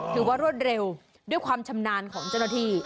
ถือว่ารวดเร็วด้วยความชำนาญของจนที่